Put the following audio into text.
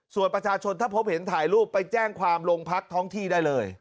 ส่วนประชาชนถ้าพบเห็นถ่ายรูปไปแจ้งความโรงพักท้องที่ได้เลย